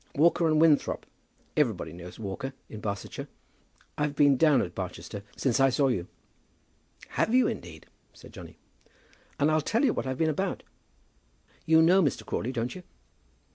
Walker and Winthrop. Everybody knows Walker in Barsetshire. I've been down at Barchester since I saw you." "Have you indeed?" said Johnny. "And I'll tell you what I've been about. You know Mr. Crawley; don't you?"